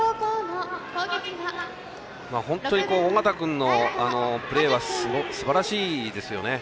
本当に緒方君のプレーはすばらしいですよね。